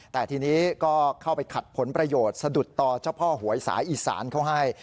แต่ทีนี้ก็เข้าไปขัดผลประโยชน์สะดุดต่อเจ้าพ่อหวยสายอีสานเขาให้